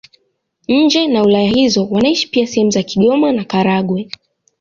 Nje na wilaya hizo wanaishi pia sehemu za Kigoma na Karagwe.